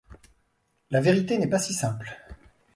La vérité n’est pas si simple.